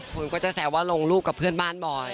คนก็จะแซวว่าลงรูปกับเพื่อนบ้านบ่อย